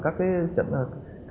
các tụ điểm rẻ